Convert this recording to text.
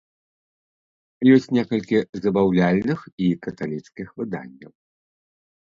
Ёсць некалькі забаўляльных і каталіцкіх выданняў.